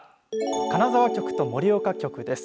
金沢局と盛岡局です。